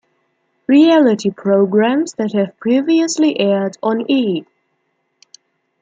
Reality programs that have previously aired on E!